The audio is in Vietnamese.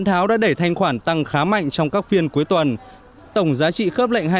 các nhà đầu tư đã đẩy thanh khoản tăng khá mạnh trong các phiên cuối tuần tổng giá trị khớp lệnh